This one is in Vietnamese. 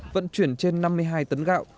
vận chuyển trên năm mươi hai tấn gạo